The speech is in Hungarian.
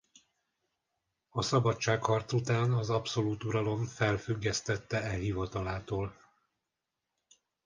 A szabadságharc után az abszolút uralom felfüggesztette e hivatalától.